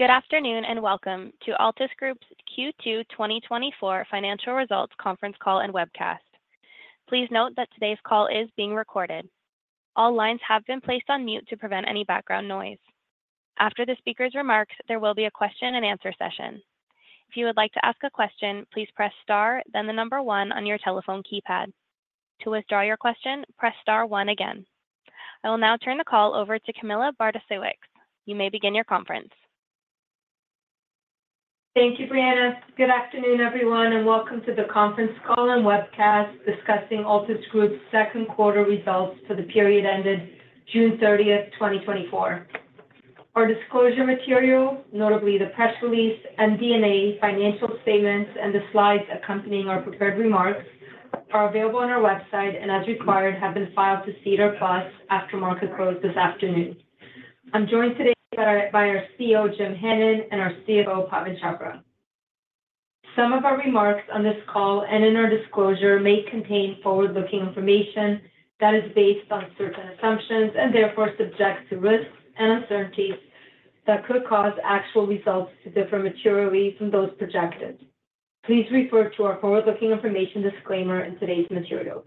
Good afternoon, and welcome to Altus Group's Q2 2024 financial results conference call and webcast. Please note that today's call is being recorded. All lines have been placed on mute to prevent any background noise. After the speaker's remarks, there will be a question and answer session. If you would like to ask a question, please press star, then the number one on your telephone keypad. To withdraw your question, press star one again. I will now turn the call over to Camilla Bartosiewicz. You may begin your conference. Thank you, Brianna. Good afternoon, everyone, and welcome to the conference call and webcast discussing Altus Group's second quarter results for the period ended June 30, 2024. Our disclosure material, notably the press release, MD&A, financial statements, and the slides accompanying our prepared remarks, are available on our website and, as required, have been filed to SEDAR+ after market close this afternoon. I'm joined today by our CEO, Jim Hannon, and our CFO, Pawan Chhabra. Some of our remarks on this call and in our disclosure may contain forward-looking information that is based on certain assumptions and therefore subject to risks and uncertainties that could cause actual results to differ materially from those projected. Please refer to our forward-looking information disclaimer in today's materials.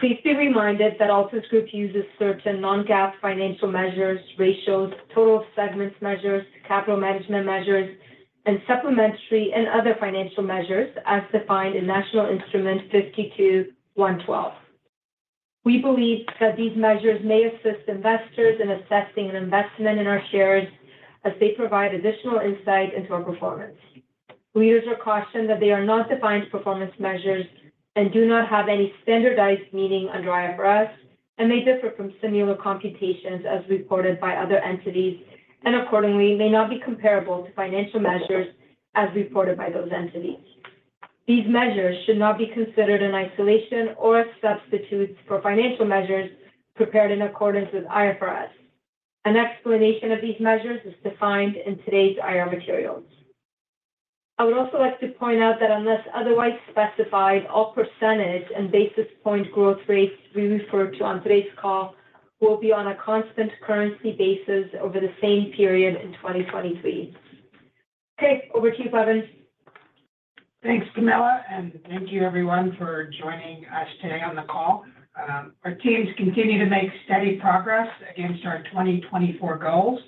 Please be reminded that Altus Group uses certain non-GAAP financial measures, ratios, total segment measures, capital management measures, and supplementary and other financial measures as defined in National Instrument 52-112. We believe that these measures may assist investors in assessing an investment in our shares as they provide additional insight into our performance. We caution that they are not defined performance measures and do not have any standardized meaning under IFRS, and they differ from similar computations as reported by other entities, and accordingly, may not be comparable to financial measures as reported by those entities. These measures should not be considered in isolation or as substitutes for financial measures prepared in accordance with IFRS. An explanation of these measures is defined in today's IR materials. I would also like to point out that unless otherwise specified, all percentage and basis point growth rates we refer to on today's call will be on a constant currency basis over the same period in 2023. Okay, over to you, Pawan. Thanks, Camilla, and thank you everyone for joining us today on the call. Our teams continue to make steady progress against our 2024 goals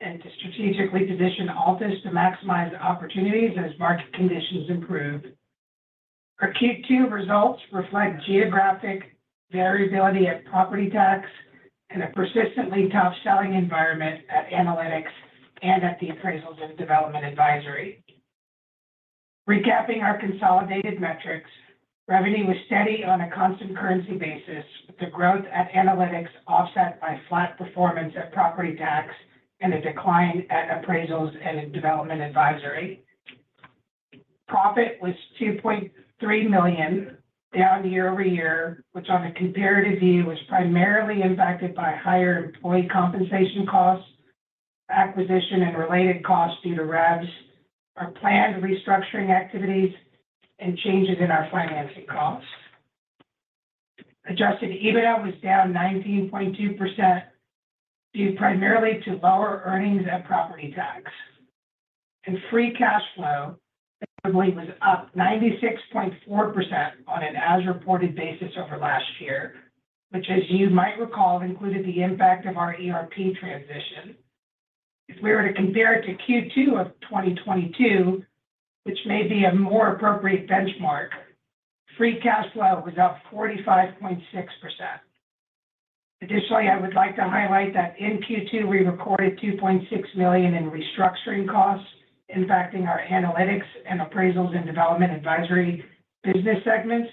and to strategically position Altus to maximize opportunities as market conditions improve. Our Q2 results reflect geographic variability at Property Tax and a persistently tough selling environment at Analytics and at the Appraisals and Development Advisory. Recapping our consolidated metrics, revenue was steady on a constant currency basis, with the growth at Analytics offset by flat performance at Property Tax and a decline at Appraisals and Development Advisory. Profit was 2.3 million, down year-over-year, which on a comparative view, was primarily impacted by higher employee compensation costs, acquisition and related costs due to REVS, our planned restructuring activities, and changes in our financing costs. Adjusted EBITDA was down 19.2%, due primarily to lower earnings and Property Tax. Free cash flow performance was up 96.4% on an as-reported basis over last year, which, as you might recall, included the impact of our ERP transition. If we were to compare it to Q2 of 2022, which may be a more appropriate benchmark, free cash flow was up 45.6%. Additionally, I would like to highlight that in Q2, we recorded 2.6 million in restructuring costs, impacting our Analytics and Appraisals and Development Advisory business segments,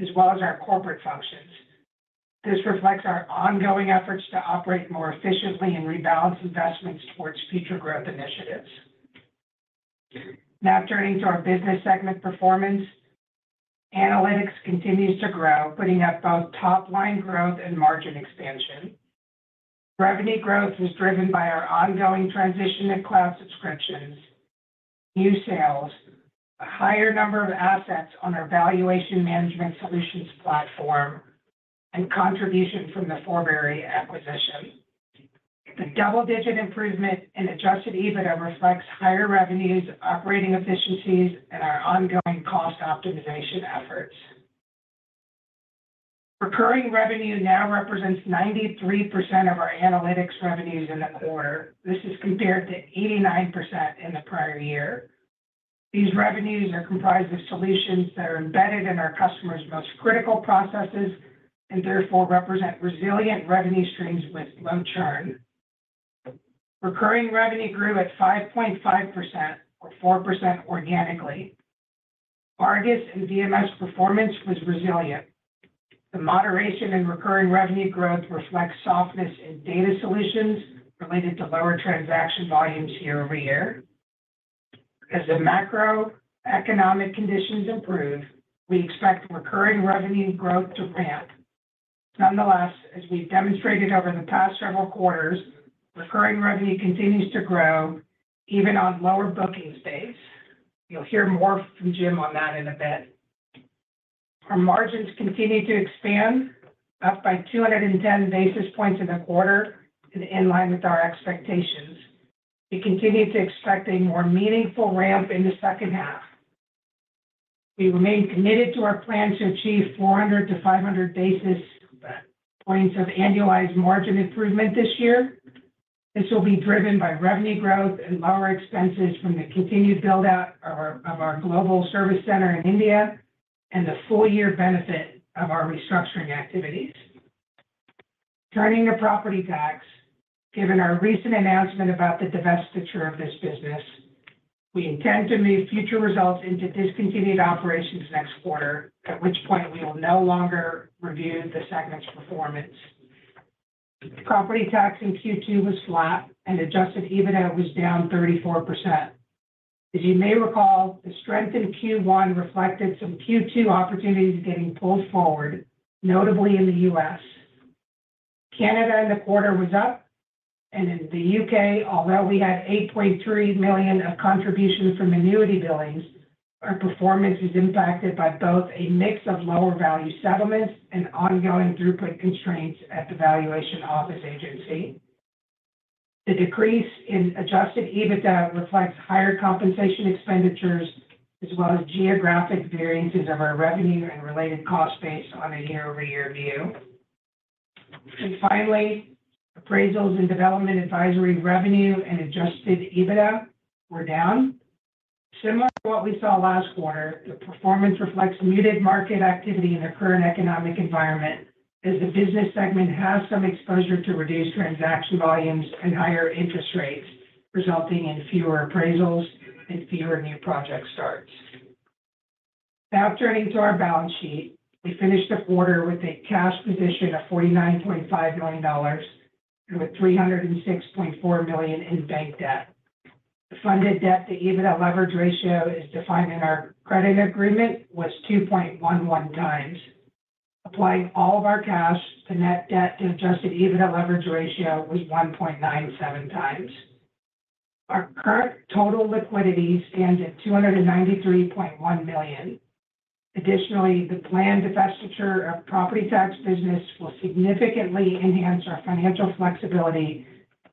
as well as our corporate functions. This reflects our ongoing efforts to operate more efficiently and rebalance investments towards future growth initiatives. Now turning to our business segment performance. Analytics continues to grow, putting up both top-line growth and margin expansion. Revenue growth is driven by our ongoing transition to cloud subscriptions, new sales, a higher number of assets on our valuation management solutions platform, and contribution from the Forbury acquisition. The double-digit improvement in adjusted EBITDA reflects higher revenues, operating efficiencies, and our ongoing cost optimization efforts. Recurring revenue now represents 93% of our Analytics revenues in the quarter. This is compared to 89% in the prior year. These revenues are comprised of solutions that are embedded in our customers' most critical processes and therefore represent resilient revenue streams with low churn. Recurring revenue grew at 5.5% or 4% organically. ARGUS and VMS performance was resilient. The moderation in recurring revenue growth reflects softness in data solutions related to lower transaction volumes year-over-year. As the macroeconomic conditions improve, we expect recurring revenue growth to ramp. Nonetheless, as we've demonstrated over the past several quarters, recurring revenue continues to grow even on lower bookings pace. You'll hear more from Jim on that in a bit. Our margins continue to expand, up by 210 basis points in the quarter and in line with our expectations. We continue to expect a more meaningful ramp in the second half. We remain committed to our plan to achieve 400-500 basis points of annualized margin improvement this year. This will be driven by revenue growth and lower expenses from the continued build-out of our global service center in India, and the full year benefit of our restructuring activities. Turning to Property Tax, given our recent announcement about the divestiture of this business, we intend to move future results into discontinued operations next quarter, at which point we will no longer review the segment's performance. Property Tax in Q2 was flat, and adjusted EBITDA was down 34%. As you may recall, the strength in Q1 reflected some Q2 opportunities getting pulled forward, notably in the U.S. Canada in the quarter was up, and in the U.K., although we had 8.3 million of contribution from annuity billings, our performance is impacted by both a mix of lower value settlements and ongoing throughput constraints at the Valuation Office Agency. The decrease in adjusted EBITDA reflects higher compensation expenditures, as well as geographic variances of our revenue and related cost base on a year-over-year view. And finally, Appraisals and Development Advisory revenue and adjusted EBITDA were down. Similar to what we saw last quarter, the performance reflects muted market activity in the current economic environment, as the business segment has some exposure to reduced transaction volumes and higher interest rates, resulting in fewer appraisals and fewer new project starts. Now, turning to our balance sheet. We finished the quarter with a cash position of 49.5 million dollars, and with 306.4 million in bank debt. The funded debt to EBITDA leverage ratio is defined in our credit agreement, was 2.11x. Applying all of our cash, the net debt to adjusted EBITDA leverage ratio was 1.97x. Our current total liquidity stands at 293.1 million. Additionally, the planned divestiture of Property Tax business will significantly enhance our financial flexibility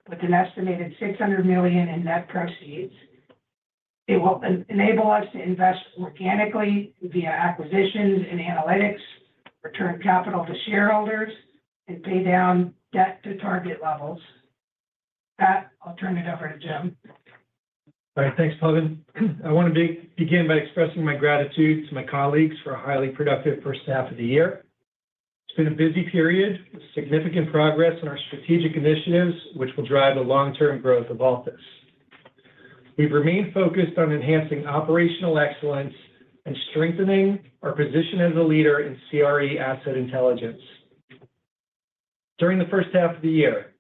with an estimated 600 million in net proceeds. It will enable us to invest organically via acquisitions and analytics, return capital to shareholders, and pay down debt to target levels. With that, I'll turn it over to Jim. All right, thanks, Pawan. I want to begin by expressing my gratitude to my colleagues for a highly productive first half of the year. It's been a busy period with significant progress in our strategic initiatives, which will drive the long-term growth of Altus. We've remained focused on enhancing operational excellence and strengthening our position as a leader in CRE asset intelligence. During the first half of the year,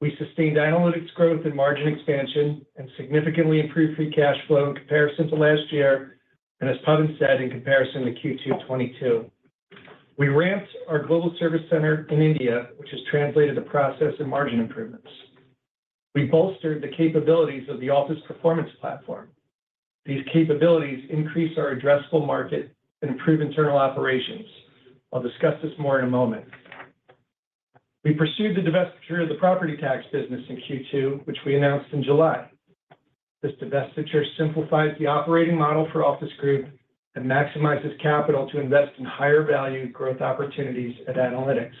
we sustained Analytics growth and margin expansion, and significantly improved free cash flow in comparison to last year, and as Pawan said, in comparison to Q2 2022. We ramped our global service center in India, which has translated to process and margin improvements. We bolstered the capabilities of the Altus Performance Platform. These capabilities increase our addressable market and improve internal operations. I'll discuss this more in a moment. We pursued the divestiture of the Property Tax business in Q2, which we announced in July. This divestiture simplifies the operating model for Altus Group and maximizes capital to invest in higher value growth opportunities at Analytics.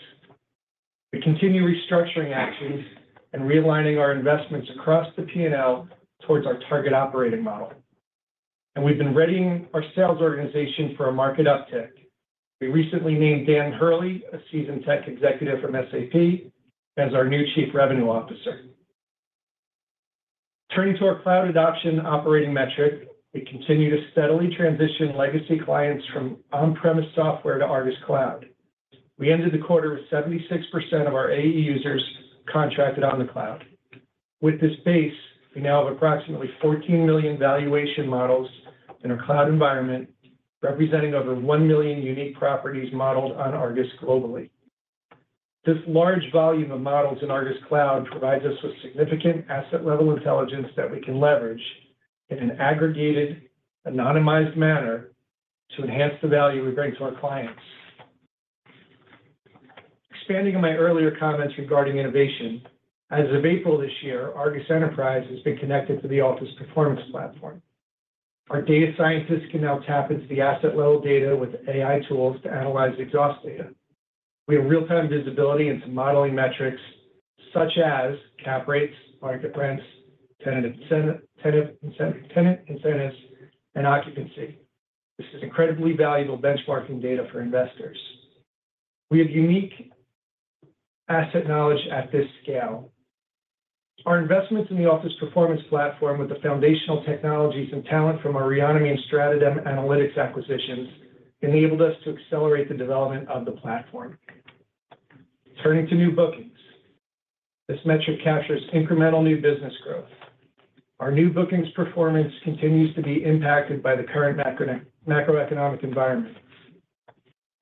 We continue restructuring actions and realigning our investments across the P&L towards our target operating model, and we've been readying our sales organization for a market uptick. We recently named Dan Hurley, a seasoned tech executive from SAP, as our new Chief Revenue Officer. Turning to our cloud adoption operating metric, we continue to steadily transition legacy clients from on-premise software to ARGUS Cloud. We ended the quarter with 76% of our AE users contracted on the cloud. With this base, we now have approximately 14 million valuation models in our cloud environment, representing over 1 million unique properties modeled on ARGUS globally. This large volume of models in ARGUS Cloud provides us with significant asset-level intelligence that we can leverage in an aggregated, anonymized manner to enhance the value we bring to our clients. Expanding on my earlier comments regarding innovation, as of April this year, ARGUS Enterprise has been connected to the Altus Performance Platform. Our data scientists can now tap into the asset-level data with AI tools to analyze exhaust data. We have real-time visibility into modeling metrics such as cap rates, market rents, tenant incentives, and occupancy. This is incredibly valuable benchmarking data for investors. We have unique asset knowledge at this scale. Our investments in the Altus Performance Platform, with the foundational technologies and talent from our Reonomy and Strata Analytics acquisitions, enabled us to accelerate the development of the platform. Turning to new bookings. This metric captures incremental new business growth. Our new bookings performance continues to be impacted by the current macroeconomic environment.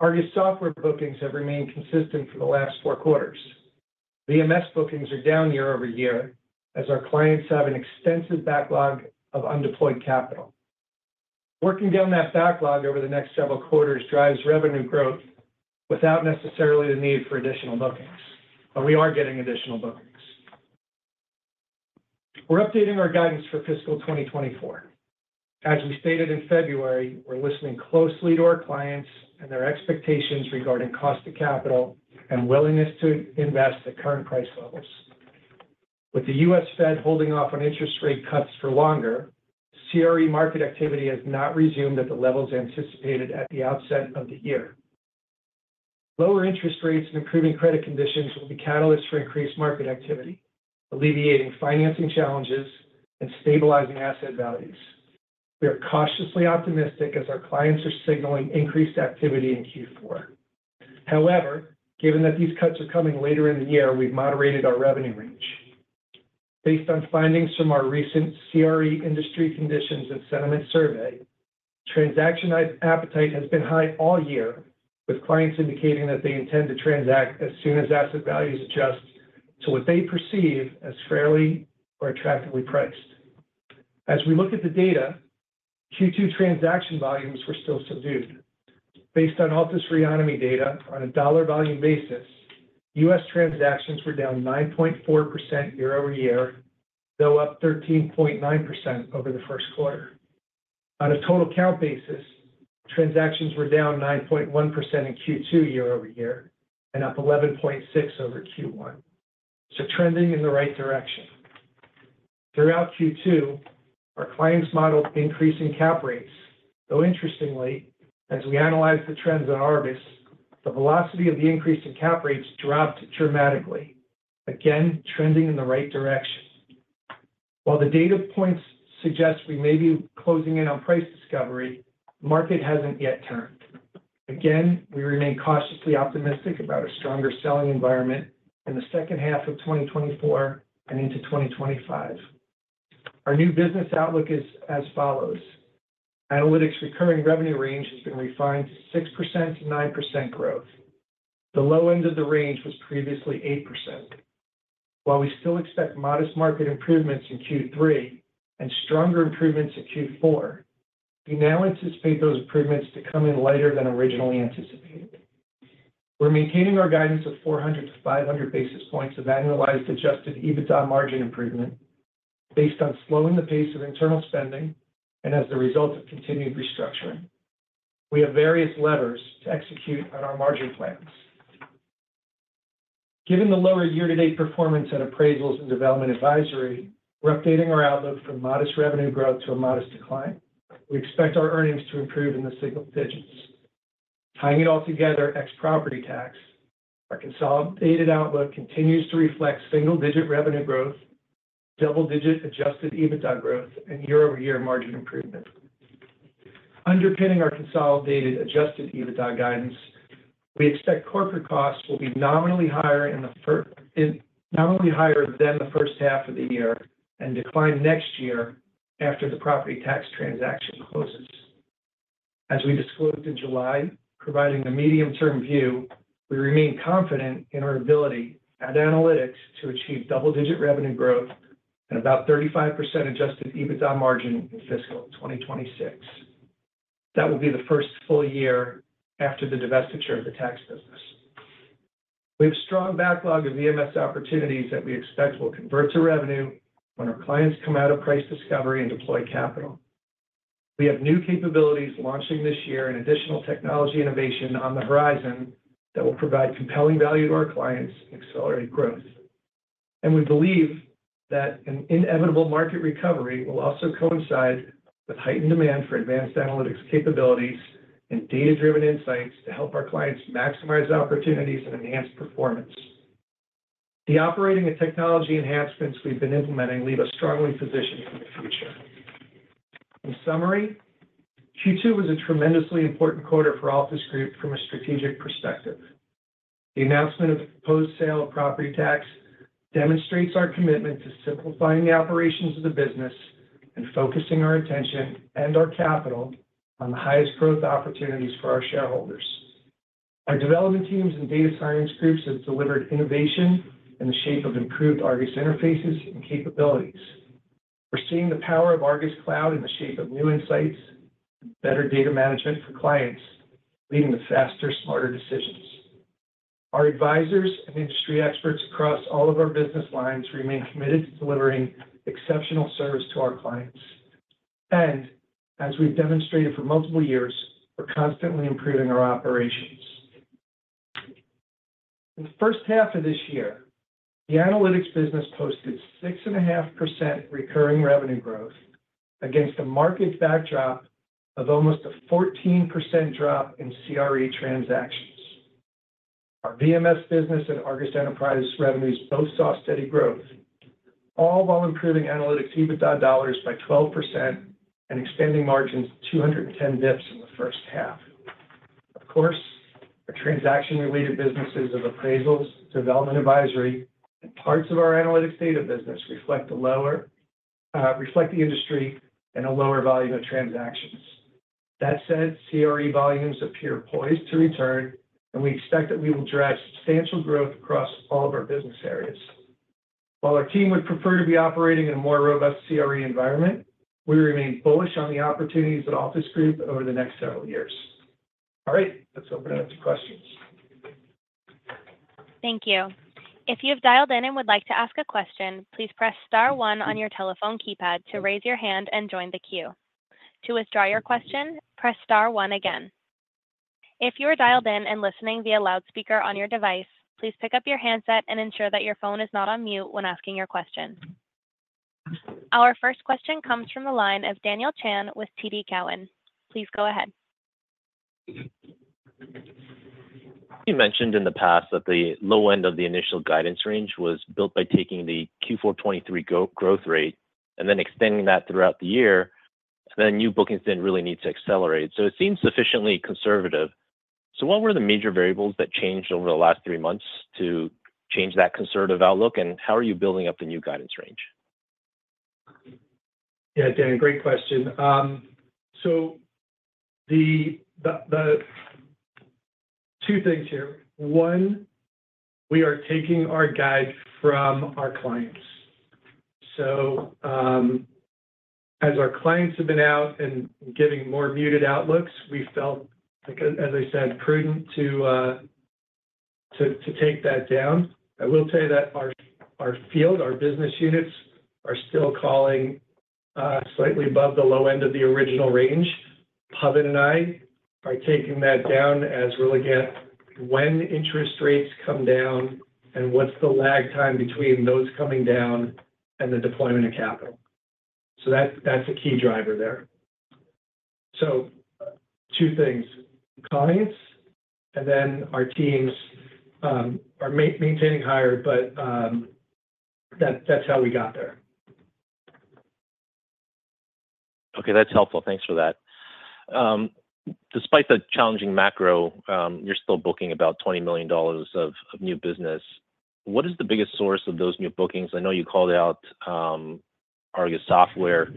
ARGUS software bookings have remained consistent for the last four quarters. VMS bookings are down year-over-year as our clients have an extensive backlog of undeployed capital. Working down that backlog over the next several quarters drives revenue growth without necessarily the need for additional bookings, but we are getting additional bookings. We're updating our guidance for fiscal 2024. As we stated in February, we're listening closely to our clients and their expectations regarding cost of capital and willingness to invest at current price levels. With the U.S. Fed holding off on interest rate cuts for longer, CRE market activity has not resumed at the levels anticipated at the outset of the year. Lower interest rates and improving credit conditions will be catalysts for increased market activity, alleviating financing challenges and stabilizing asset values. We are cautiously optimistic as our clients are signaling increased activity in Q4. However, given that these cuts are coming later in the year, we've moderated our revenue range. Based on findings from our recent CRE industry conditions and sentiment survey, transaction appetite has been high all year, with clients indicating that they intend to transact as soon as asset values adjust to what they perceive as fairly or attractively priced. As we look at the data, Q2 transaction volumes were still subdued. Based on Reonomy data on a dollar volume basis, U.S. transactions were down 9.4% year-over-year, though up 13.9% over the first quarter. On a total count basis, transactions were down 9.1% in Q2 year-over-year, and up 11.6 over Q1. So trending in the right direction. Throughout Q2, our clients modeled increasing cap rates, though interestingly, as we analyze the trends on ARGUS, the velocity of the increase in cap rates dropped dramatically. Again, trending in the right direction. While the data points suggest we may be closing in on price discovery, market hasn't yet turned. Again, we remain cautiously optimistic about a stronger selling environment in the second half of 2024 and into 2025. Our new business outlook is as follows: Analytics recurring revenue range has been refined to 6%-9% growth. The low end of the range was previously 8%. While we still expect modest market improvements in Q3 and stronger improvements in Q4, we now anticipate those improvements to come in later than originally anticipated. We're maintaining our guidance of 400-500 basis points of annualized adjusted EBITDA margin improvement based on slowing the pace of internal spending and as the result of continued restructuring. We have various levers to execute on our margin plans. Given the lower year-to-date performance at Appraisals and Development Advisory, we're updating our outlook from modest revenue growth to a modest decline. We expect our earnings to improve in the single digits. Tying it all together, ex Property Tax, our consolidated outlook continues to reflect single-digit revenue growth, double-digit adjusted EBITDA growth, and year-over-year margin improvement. Underpinning our consolidated adjusted EBITDA guidance, we expect corporate costs will be nominally higher than the first half of the year and decline next year after the Property Tax transaction closes. As we disclosed in July, providing a medium-term view, we remain confident in our ability at Analytics to achieve double-digit revenue growth and about 35% adjusted EBITDA margin in fiscal 2026. That will be the first full year after the divestiture of the tax business. We have strong backlog of VMS opportunities that we expect will convert to revenue when our clients come out of price discovery and deploy capital. We have new capabilities launching this year and additional technology innovation on the horizon that will provide compelling value to our clients and accelerate growth. We believe that an inevitable market recovery will also coincide with heightened demand for advanced analytics capabilities and data-driven insights to help our clients maximize opportunities and enhance performance. The operating and technology enhancements we've been implementing leave us strongly positioned for the future. In summary, Q2 was a tremendously important quarter for Altus Group from a strategic perspective. The announcement of the proposed sale of Property Tax demonstrates our commitment to simplifying the operations of the business and focusing our attention and our capital on the highest growth opportunities for our shareholders. Our development teams and data science groups have delivered innovation in the shape of improved ARGUS interfaces and capabilities. We're seeing the power of ARGUS Cloud in the shape of new insights, better data management for clients, leading to faster, smarter decisions. Our advisors and industry experts across all of our business lines remain committed to delivering exceptional service to our clients. And as we've demonstrated for multiple years, we're constantly improving our operations. In the first half of this year, the Analytics business posted 6.5% recurring revenue growth against a market backdrop of almost a 14% drop in CRE transactions. Our VMS business and ARGUS Enterprise revenues both saw steady growth, all while improving Analytics EBITDA dollars by 12% and expanding margins 210 basis points in the first half. Of course, our transaction-related businesses of Appraisals, Development Advisory, and parts of our Analytics Data business reflect the industry and a lower volume of transactions.... That said, CRE volumes appear poised to return, and we expect that we will drive substantial growth across all of our business areas. While our team would prefer to be operating in a more robust CRE environment, we remain bullish on the opportunities at Altus Group over the next several years. All right, let's open up to questions. Thank you. If you've dialed in and would like to ask a question, please press star one on your telephone keypad to raise your hand and join the queue. To withdraw your question, press star one again. If you are dialed in and listening via loudspeaker on your device, please pick up your handset and ensure that your phone is not on mute when asking your question. Our first question comes from the line of Daniel Chan with TD Cowen. Please go ahead. You mentioned in the past that the low end of the initial guidance range was built by taking the Q4 2023 go-forward growth rate and then extending that throughout the year, so then new bookings then really need to accelerate. So it seems sufficiently conservative. So what were the major variables that changed over the last three months to change that conservative outlook, and how are you building up the new guidance range? Yeah, Dan, great question. So the two things here. One, we are taking our guide from our clients. So, as our clients have been out and giving more muted outlooks, we felt, like, as I said, prudent to take that down. I will tell you that our field, our business units, are still calling slightly above the low end of the original range. Pawan and I are taking that down as we're looking at when interest rates come down and what's the lag time between those coming down and the deployment of capital. So that's a key driver there. So, two things: clients, and then our teams are maintaining higher, but that's how we got there. Okay, that's helpful. Thanks for that. Despite the challenging macro, you're still booking about $20 million of new business. What is the biggest source of those new bookings? I know you called out ARGUS Software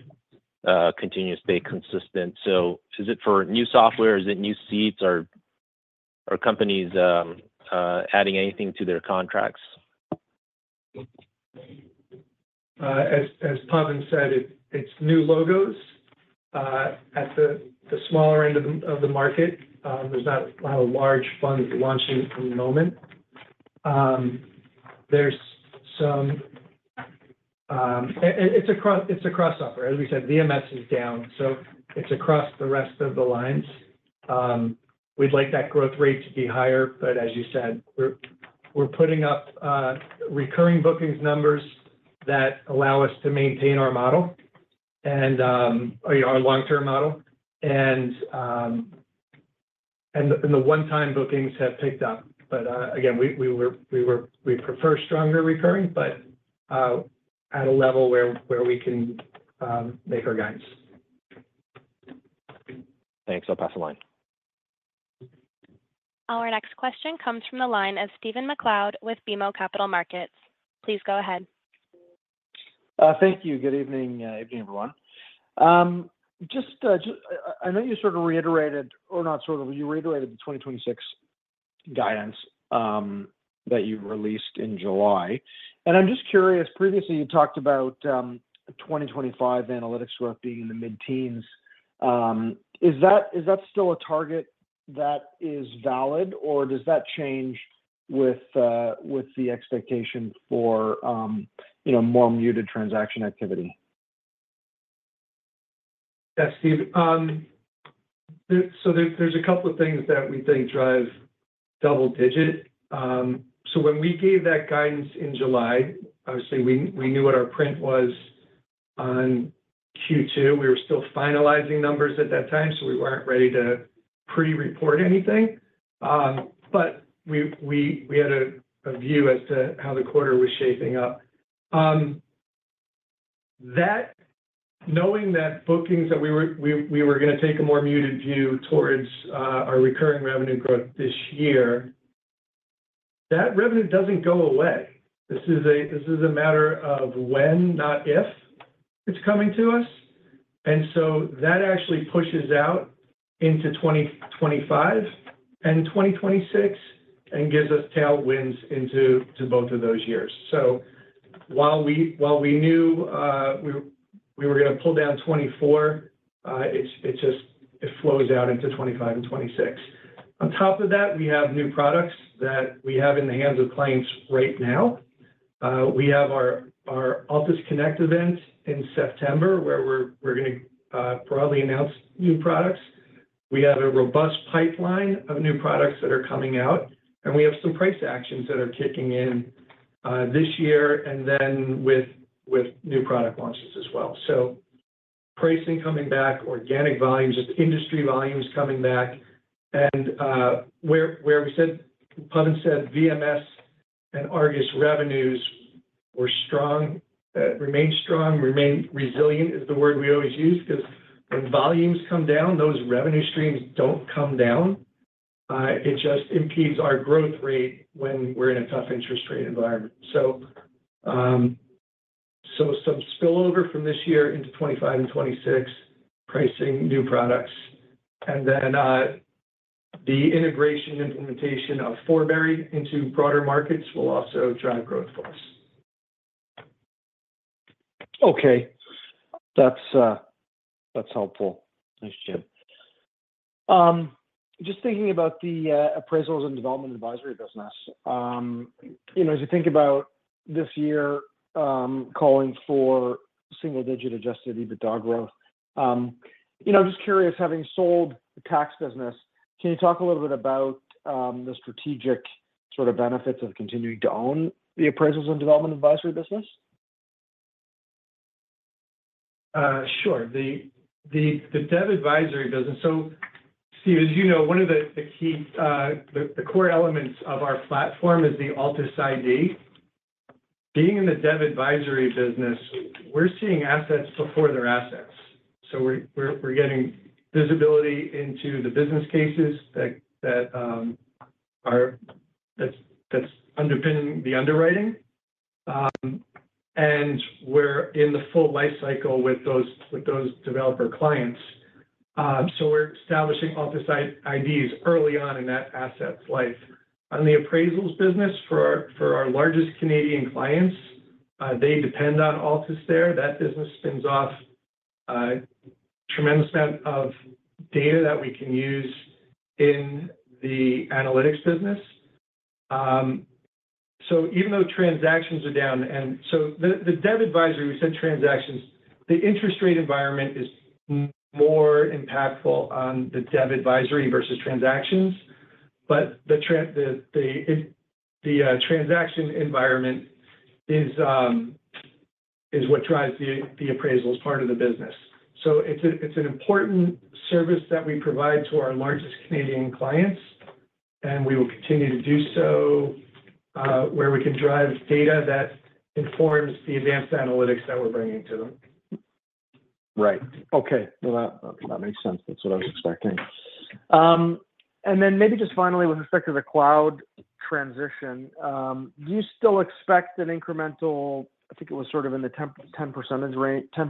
continuous steady consistent. So is it for new software, is it new seats, or are companies adding anything to their contracts? As Pawan said, it's new logos. At the smaller end of the market, there's not a lot of large funds launching at the moment. There's some. It's across software. As we said, VMS is down, so it's across the rest of the lines. We'd like that growth rate to be higher, but as you said, we're putting up recurring bookings numbers that allow us to maintain our model and our long-term model. And the one-time bookings have picked up. But again, we'd prefer stronger recurring, but at a level where we can make our guidance. Thanks. I'll pass the line. Our next question comes from the line of Stephen MacLeod with BMO Capital Markets. Please go ahead. Thank you. Good evening, evening, everyone. Just, I know you sort of reiterated, or not sort of, you reiterated the 2026 guidance, that you released in July. I'm just curious, previously, you talked about, 2025 Analytics growth being in the mid-teens. Is that, is that still a target that is valid, or does that change with, with the expectation for, you know, more muted transaction activity? Yeah, Steve. So there's a couple of things that we think drive double digit. So when we gave that guidance in July, obviously, we knew what our print was on Q2. We were still finalizing numbers at that time, so we weren't ready to pre-report anything. But we had a view as to how the quarter was shaping up. Knowing that bookings we were gonna take a more muted view towards our recurring revenue growth this year, that revenue doesn't go away. This is a matter of when, not if, it's coming to us. And so that actually pushes out into 2025 and 2026 and gives us tailwinds into both of those years. So while we knew we were gonna pull down 2024, it just flows out into 2025 and 2026. On top of that, we have new products that we have in the hands of clients right now. We have our Altus Connect event in September, where we're gonna broadly announce new products. We have a robust pipeline of new products that are coming out, and we have some price actions that are kicking in this year, and then with new product launches as well. So pricing coming back, organic volumes, industry volumes coming back, and where we said, Pawan said VMS and ARGUS revenues were strong, remain strong, remain resilient, is the word we always use. 'Cause when volumes come down, those revenue streams don't come down. It just impedes our growth rate when we're in a tough interest rate environment. So, some spillover from this year into 2025 and 2026, pricing new products. And then, the integration implementation of Forbury into broader markets will also drive growth for us. Okay. That's, that's helpful. Thanks, Jim. Just thinking about the Appraisals and Development Advisory business. You know, as you think about this year, calling for single-digit adjusted EBITDA growth, you know, just curious, having sold the tax business, can you talk a little bit about the strategic sort of benefits of continuing to own the Appraisals and Development Advisory business? Sure. The Dev Advisory business. So, Steve, as you know, one of the key core elements of our platform is the Altus ID. Being in the Dev Advisory business, we're seeing assets before their assets. So we're getting visibility into the business cases that are underpinning the underwriting. And we're in the full life cycle with those developer clients. So we're establishing Altus IDs early on in that asset's life. On the Appraisals business for our largest Canadian clients, they depend on Altus there. That business spins off a tremendous amount of data that we can use in the Analytics business. So even though transactions are down... And so the Dev Advisory, we said transactions, the interest rate environment is more impactful on the Dev Advisory versus transactions. But the transaction environment is what drives the Appraisals part of the business. So it's an important service that we provide to our largest Canadian clients, and we will continue to do so, where we can drive data that informs the advanced analytics that we're bringing to them. Right. Okay. Well, that, that makes sense. That's what I was expecting. And then maybe just finally, with respect to the cloud transition, do you still expect an incremental, I think it was sort of in the 10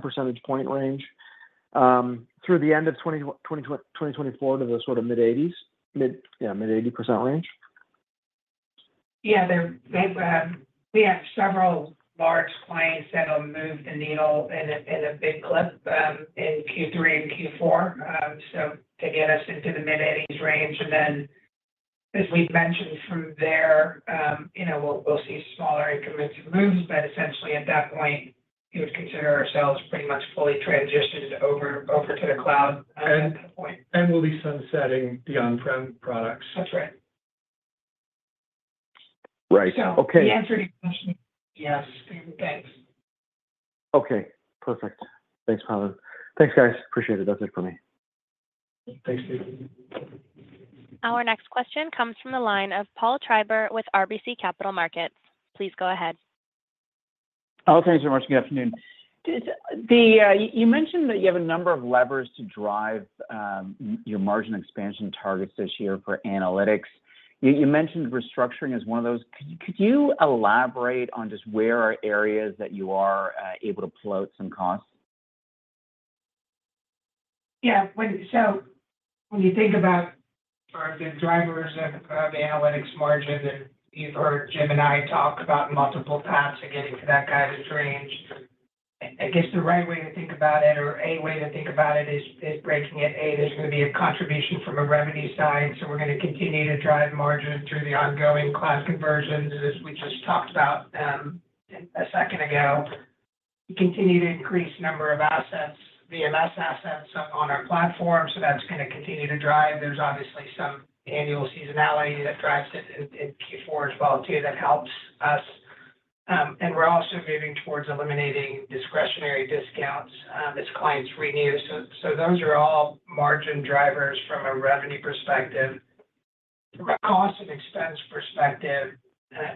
percentage point range, through the end of 2024 to the sort of mid-80s, yeah, mid-80% range? Yeah. We have several large clients that will move the needle in a big clip in Q3 and Q4. So to get us into the mid-80s range, and then as we've mentioned from there, you know, we'll see smaller increments of moves. But essentially, at that point, we would consider ourselves pretty much fully transitioned over to the cloud at that point. We'll be sunsetting the on-prem products. That's right. Right. Okay. The answer to your question, yes, thanks. Okay, perfect. Thanks, Pawan. Thanks, guys. Appreciate it. That's it for me. Thanks, Steve. Our next question comes from the line of Paul Treiber with RBC Capital Markets. Please go ahead. Oh, thanks very much. Good afternoon. Did you mention that you have a number of levers to drive your margin expansion targets this year for Analytics? You mentioned restructuring as one of those. Could you elaborate on just where the areas are that you are able to pull out some costs? Yeah. So when you think about the drivers of Analytics margin, that you've heard Jim and I talk about multiple times to getting to that guided range, I guess the right way to think about it, or a way to think about it is breaking it. A, there's going to be a contribution from a revenue side, so we're going to continue to drive margin through the ongoing cloud conversions, as we just talked about a second ago. Continue to increase number of assets, VMS assets on our platform, so that's going to continue to drive. There's obviously some annual seasonality that drives it in Q4 as well, too, that helps us. And we're also moving towards eliminating discretionary discounts as clients renew. So those are all margin drivers from a revenue perspective. From a cost and expense perspective,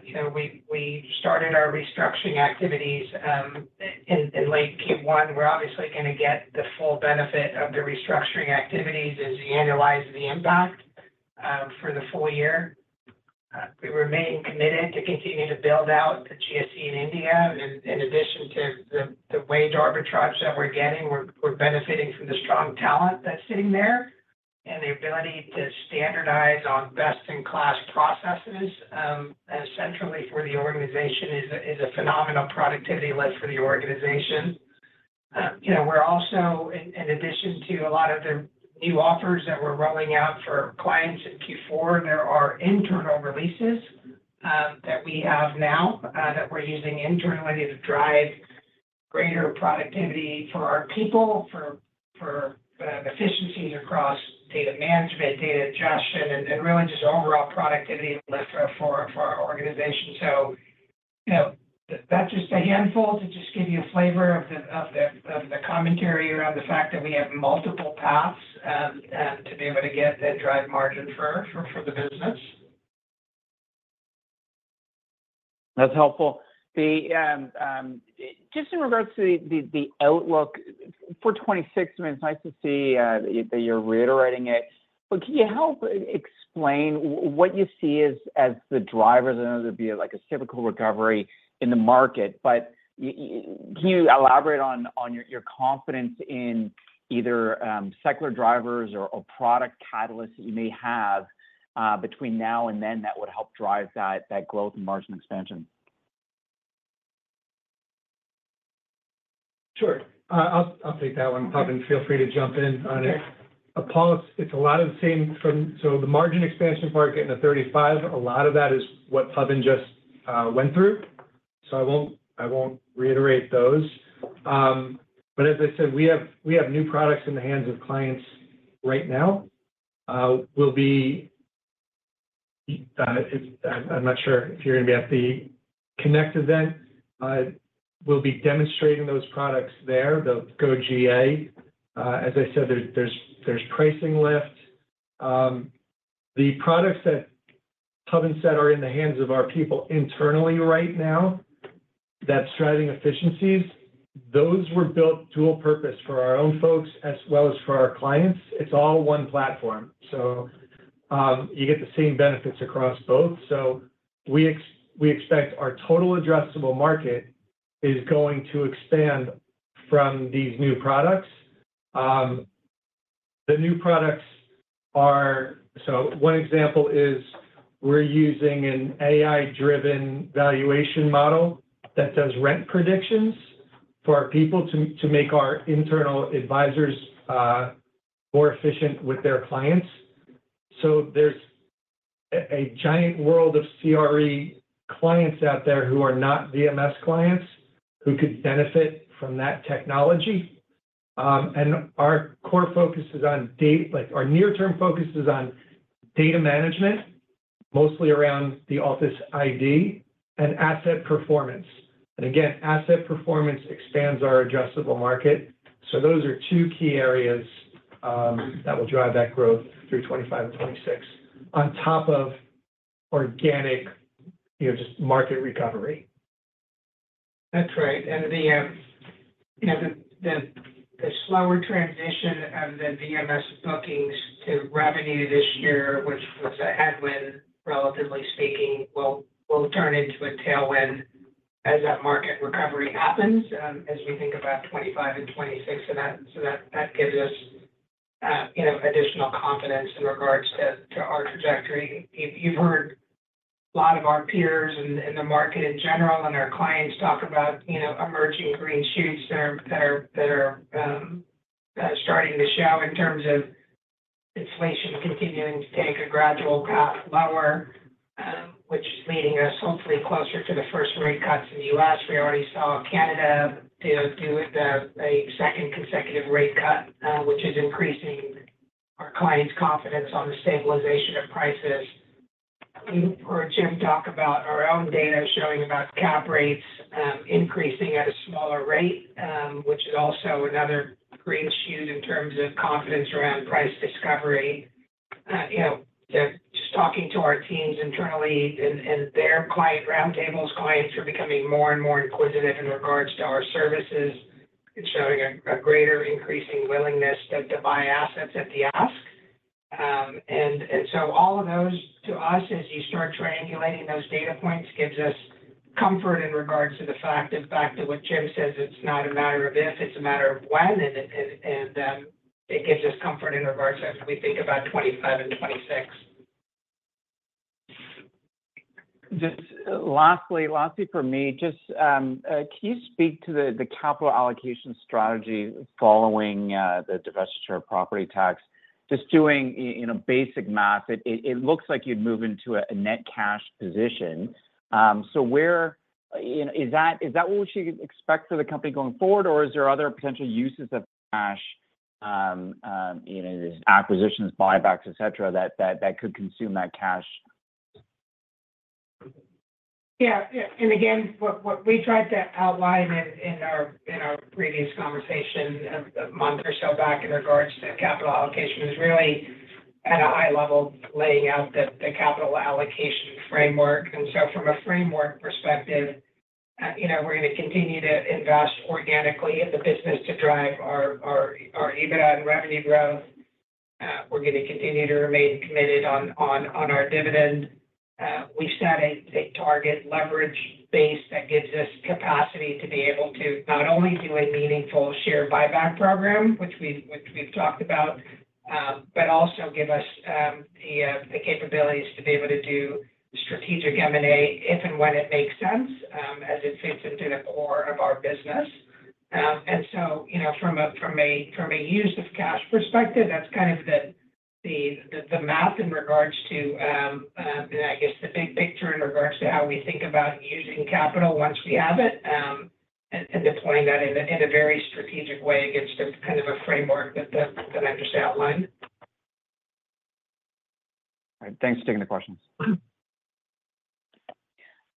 you know, we started our restructuring activities in late Q1. We're obviously going to get the full benefit of the restructuring activities as we annualize the impact for the full year. We remain committed to continuing to build out the GSC in India. In addition to the wage arbitrage that we're getting, we're benefiting from the strong talent that's sitting there and the ability to standardize on best-in-class processes, and centrally for the organization is a phenomenal productivity lift for the organization. You know, we're also, in addition to a lot of the new offers that we're rolling out for clients in Q4, there are internal releases that we have now that we're using internally to drive greater productivity for our people, for efficiencies across data management, data ingestion, and really just overall productivity lift for our organization. So, you know, that's just a handful to just give you a flavor of the commentary around the fact that we have multiple paths and to be able to get and drive margin for the business. That's helpful. Just in regards to the outlook for 2026, I mean, it's nice to see that you're reiterating it. But can you help explain what you see as the drivers? I know there'd be like a typical recovery in the market, but can you elaborate on your confidence in either secular drivers or product catalysts that you may have between now and then that would help drive that growth and margin expansion? Sure. I'll take that one. Pawan, feel free to jump in on it. Sure. Paul, it's a lot of the same. So the margin expansion part, getting to 35, a lot of that is what Pawan just went through, so I won't, I won't reiterate those. But as I said, we have, we have new products in the hands of clients right now. We'll be. I'm, I'm not sure if you're going to be at the Connect event. We'll be demonstrating those products there, the GoGA. As I said, there's, there's, there's pricing lift. The products that Pawan said are in the hands of our people internally right now, that's driving efficiencies. Those were built dual purpose for our own folks as well as for our clients. It's all one platform. So, you get the same benefits across both. So we expect our total addressable market is going to expand from these new products. The new products are. So one example is we're using an AI-driven valuation model that does rent predictions for our people to make our internal advisors more efficient with their clients. So there's a giant world of CRE clients out there who are not VMS clients, who could benefit from that technology. And our core focus is on data, like, our near-term focus is on data management, mostly around the office ID and asset performance. And again, asset performance expands our addressable market. So those are two key areas that will drive that growth through 2025 and 2026, on top of organic, you know, just market recovery. That's right. The slower transition of the VMS bookings to revenue this year, which was a headwind, relatively speaking, will turn into a tailwind as that market recovery happens, as we think about 2025 and 2026. So that gives us, you know, additional confidence in regards to our trajectory. You've heard a lot of our peers in the market in general, and our clients talk about, you know, emerging green shoots that are starting to show in terms of inflation continuing to take a gradual path lower, which is leading us hopefully closer to the first rate cuts in the U.S. We already saw Canada do a second consecutive rate cut, which is increasing our clients' confidence on the stabilization of prices. We heard Jim talk about our own data showing about cap rates, increasing at a smaller rate, which is also another green shoot in terms of confidence around price discovery. You know, just talking to our teams internally and their client roundtables, clients are becoming more and more inquisitive in regards to our services. It's showing a greater increasing willingness to buy assets at the ask. And so all of those, to us, as you start triangulating those data points, gives us comfort in regards to the fact, in fact, to what Jim says, it's not a matter of if, it's a matter of when. And it gives us comfort in regards as we think about 2025 and 2026. Just lastly, lastly, for me, just, can you speak to the, the capital allocation strategy following the divestiture of Property Tax? Just doing you know, basic math, it, it looks like you'd move into a, a net cash position. So where is that, is that what we should expect for the company going forward, or is there other potential uses of cash, you know, acquisitions, buybacks, et cetera, that, that, that could consume that cash? Yeah. Yeah, and again, what we tried to outline in our previous conversation a month or so back in regards to capital allocation is really at a high level, laying out the capital allocation framework. So from a framework perspective, you know, we're going to continue to invest organically in the business to drive our EBITDA and revenue growth. We're going to continue to remain committed on our dividend. We've set a target leverage base that gives us capacity to be able to not only do a meaningful share buyback program, which we've talked about, but also give us the capabilities to be able to do strategic M&A, if and when it makes sense, as it fits into the core of our business. And so, you know, from a use of cash perspective, that's kind of the math in regards to, I guess, the big picture in regards to how we think about using capital once we have it, and deploying that in a very strategic way against the kind of a framework that I just outlined. All right. Thanks for taking the questions.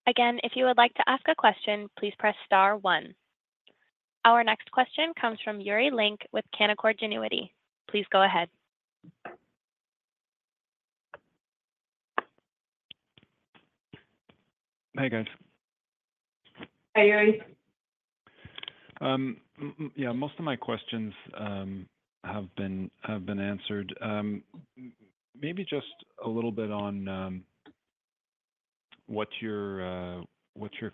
Again, if you would like to ask a question, please press star one. Our next question comes from Yuri Lynk with Canaccord Genuity. Please go ahead. Hi, guys. Hey, Yuri. Yeah, most of my questions have been answered. Maybe just a little bit on what your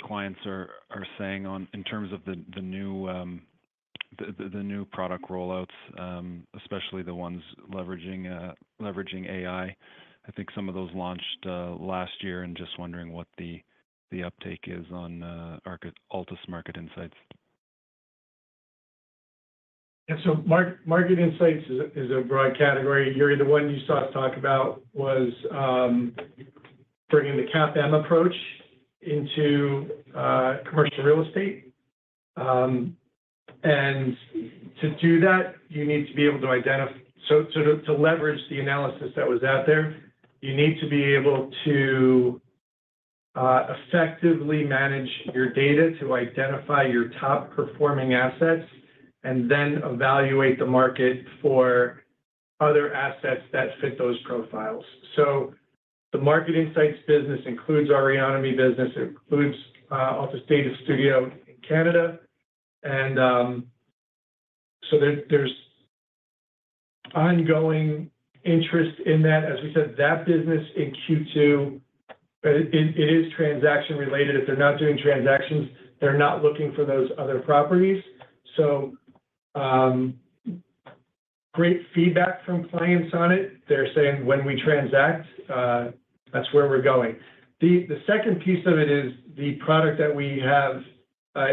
clients are saying in terms of the new product rollouts, especially the ones leveraging AI. I think some of those launched last year, and just wondering what the uptake is on Altus Market Insights. Yeah, so market insights is a broad category, Yuri. The one you saw us talk about was bringing the CAPM approach into commercial real estate. And to do that, you need to be able to, so to leverage the analysis that was out there, you need to be able to effectively manage your data to identify your top-performing assets, and then evaluate the market for other assets that fit those profiles. So the market insights business includes our economy business, it includes Altus Data Studio in Canada. And so there, there's ongoing interest in that. As we said, that business in Q2, it is transaction related. If they're not doing transactions, they're not looking for those other properties. So, great feedback from clients on it. They're saying, "When we transact, that's where we're going." The second piece of it is the product that we have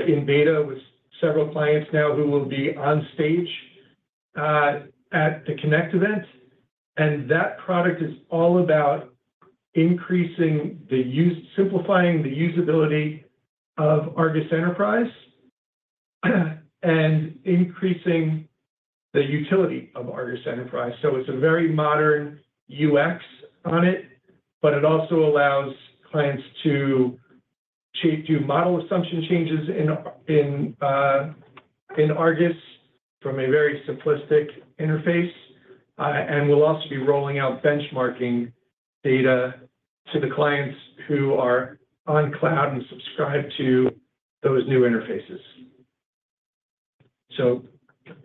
in beta with several clients now who will be on stage at the Connect event, and that product is all about increasing the use, simplifying the usability of ARGUS Enterprise, and increasing the utility of ARGUS Enterprise. So it's a very modern UX on it, but it also allows clients to change, do model assumption changes in ARGUS from a very simplistic interface. And we'll also be rolling out benchmarking data to the clients who are on cloud and subscribe to those new interfaces.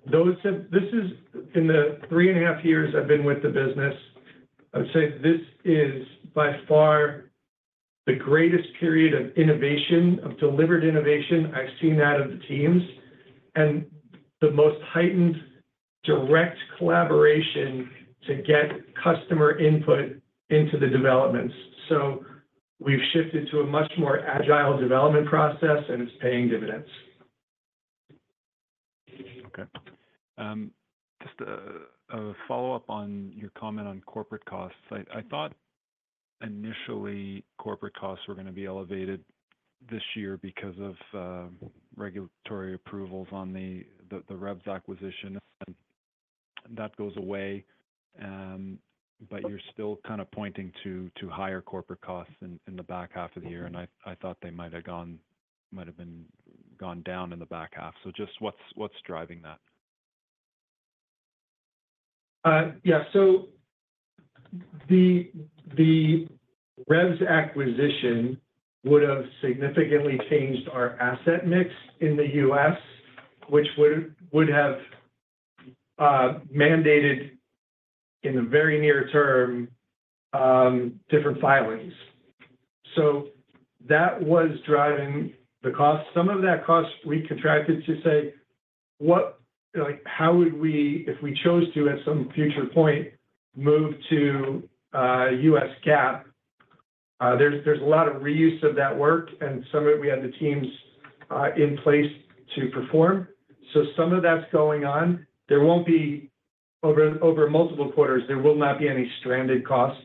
This is, in the three and a half years I've been with the business, I would say this is by far the greatest period of innovation, of delivered innovation I've seen out of the teams, and the most heightened direct collaboration to get customer input into the developments. We've shifted to a much more agile development process, and it's paying dividends. Okay. Just a follow-up on your comment on corporate costs. I thought initially corporate costs were gonna be elevated this year because of regulatory approvals on the REVS acquisition, and that goes away. But you're still kind of pointing to higher corporate costs in the back half of the year, and I thought they might have gone down in the back half. So just what's driving that? Yeah. So the REVS acquisition would have significantly changed our asset mix in the U.S., which would have mandated, in the very near term, different filings. So that was driving the cost. Some of that cost, we contracted to say, what-- like, how would we, if we chose to, at some future point, move to U.S. GAAP? There's a lot of reuse of that work, and some of it, we had the teams in place to perform. So some of that's going on. There won't be over multiple quarters, there will not be any stranded costs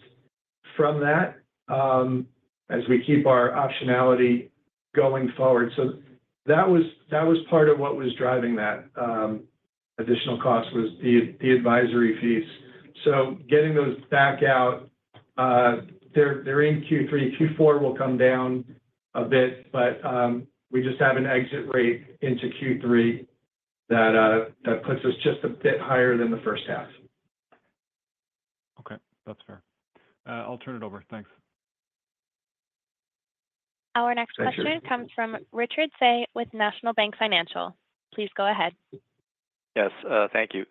from that, as we keep our optionality going forward. So that was part of what was driving that additional cost, was the advisory fees. So getting those back out, they're in Q3. Q4 will come down a bit, but we just have an exit rate into Q3 that puts us just a bit higher than the first half. Okay, that's fair. I'll turn it over. Thanks. Our next question- Thank you... comes from Richard Tse with National Bank Financial. Please go ahead. Yes, thank you.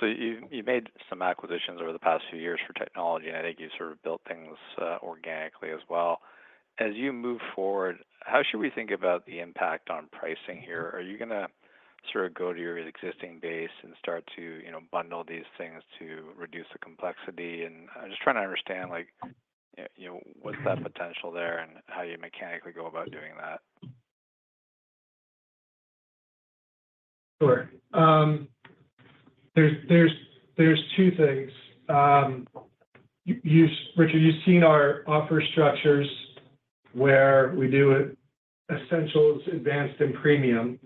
So you made some acquisitions over the past few years for technology, and I think you sort of built things organically as well. As you move forward, how should we think about the impact on pricing here? Are you gonna sort of go to your existing base and start to, you know, bundle these things to reduce the complexity? And I'm just trying to understand, like, you know, what's that potential there, and how you mechanically go about doing that. Sure. There's two things. Richard, you've seen our offer structures where we do essentials, advanced, and premium.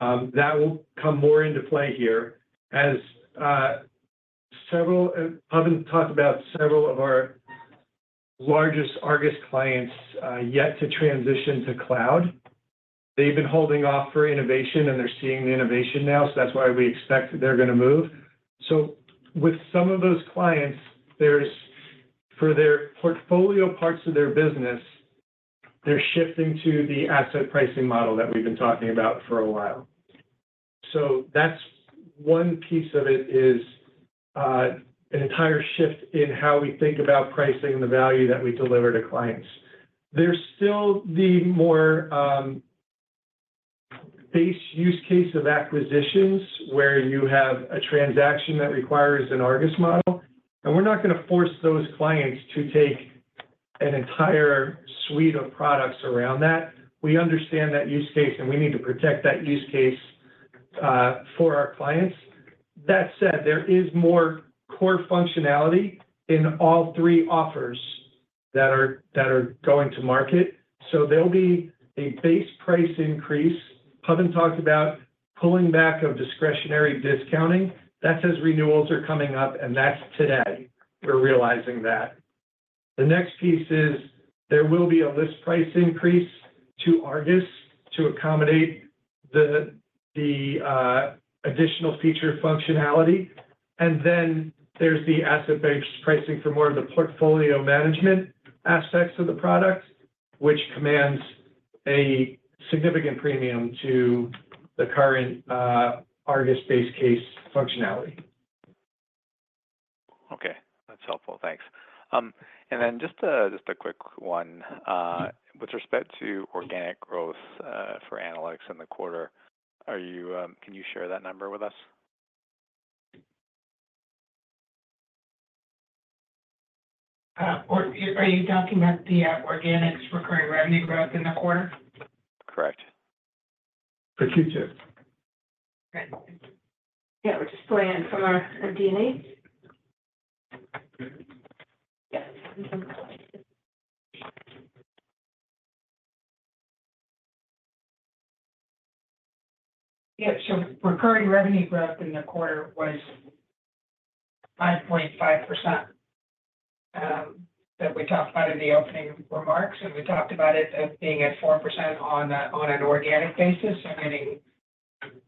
That will come more into play here. As several haven't talked about several of our largest ARGUS clients yet to transition to Cloud. They've been holding off for innovation, and they're seeing the innovation now, so that's why we expect that they're gonna move. So with some of those clients, there's for their portfolio parts of their business, they're shifting to the asset pricing model that we've been talking about for a while. So that's one piece of it is an entire shift in how we think about pricing the value that we deliver to clients. There's still the more base use case of acquisitions, where you have a transaction that requires an ARGUS model, and we're not gonna force those clients to take an entire suite of products around that. We understand that use case, and we need to protect that use case for our clients. That said, there is more core functionality in all three offers that are going to market, so there'll be a base price increase. Pawan talked about pulling back of discretionary discounting. That's as renewals are coming up, and that's today, we're realizing that. The next piece is there will be a list price increase to ARGUS to accommodate the additional feature functionality, and then there's the asset-based pricing for more of the portfolio management aspects of the product, which commands a significant premium to the current ARGUS base case functionality. Okay, that's helpful. Thanks. And then just a quick one. With respect to organic growth, for Analytics in the quarter, can you share that number with us? Or are you talking about the organic recurring revenue growth in the quarter? Correct. For Q2. Right. Yeah, we're just pulling it from our MD&A. Yes. Yeah, so recurring revenue growth in the quarter was 5.5%. That we talked about in the opening remarks, and we talked about it as being at 4% on an organic basis, so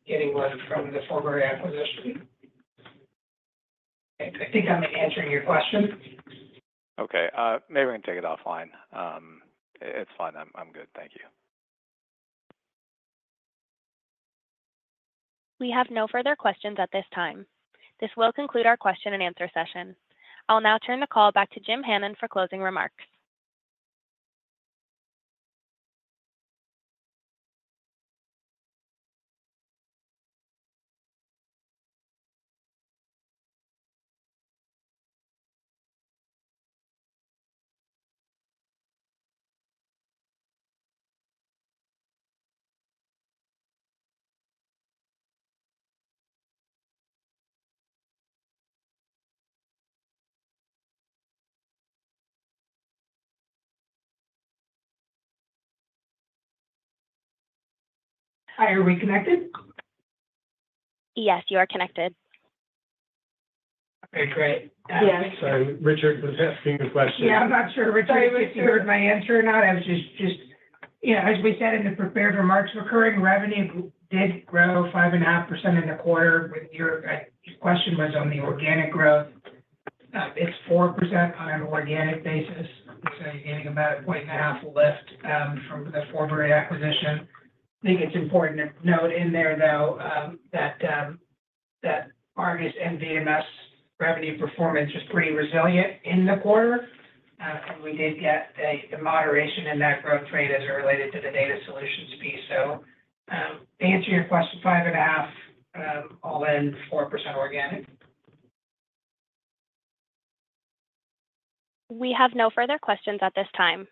getting growth from the former acquisition. I think I'm answering your question. Okay, maybe we can take it offline. It's fine. I'm good. Thank you. We have no further questions at this time. This will conclude our question-and-answer session. I'll now turn the call back to Jim Hannon for closing remarks. Hi, are we connected? Yes, you are connected. Right, great. Yes. Sorry, Richard was asking a question. Yeah, I'm not sure, Richard, if you heard my answer or not. I was just... You know, as we said in the prepared remarks, recurring revenue did grow 5.5% in the quarter. When your question was on the organic growth, it's 4% on an organic basis. So you're getting about a 1.5 lift from the Forbury acquisition. I think it's important to note in there, though, that ARGUS and VMS revenue performance was pretty resilient in the quarter, and we did get the moderation in that growth rate as it related to the data solutions piece. So, to answer your question, 5.5%, all in, 4% organic. We have no further questions at this time.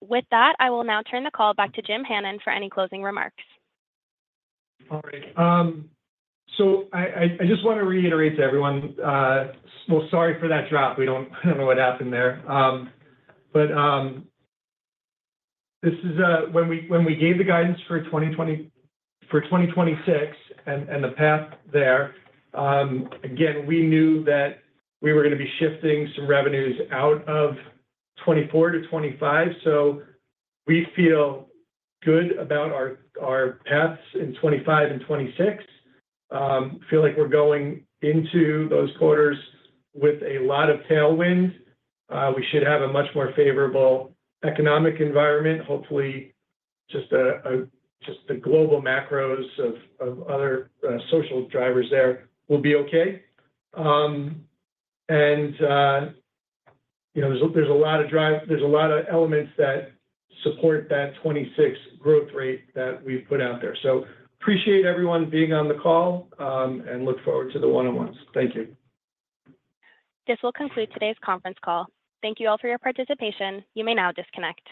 With that, I will now turn the call back to Jim Hannon for any closing remarks. All right. So I just want to reiterate to everyone, well, sorry for that drop. We don't, I don't know what happened there. But this is when we, when we gave the guidance for 2026 and the path there, again, we knew that we were gonna be shifting some revenues out of 2024-2025, so we feel good about our paths in 2025 and 2026. Feel like we're going into those quarters with a lot of tailwind. We should have a much more favorable economic environment. Hopefully, just the global macros of other social drivers there will be okay. And you know, there's a lot of elements that support that 2026 growth rate that we've put out there. Appreciate everyone being on the call, and look forward to the one-on-ones. Thank you. This will conclude today's conference call. Thank you all for your participation. You may now disconnect.